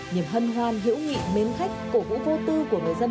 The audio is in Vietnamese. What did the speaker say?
niềm hân hoan hữu nghị mến khách cổ vũ vô tư của người dân